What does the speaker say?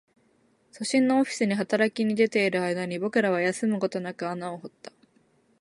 都心のオフィスに働き出ている間に、僕らは休むことなく穴を掘った